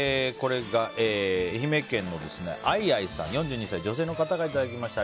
愛媛県の４２歳女性の方からいただきました。